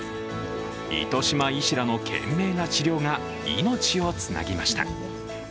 糸島医師らの懸命な治療が命をつなぎました。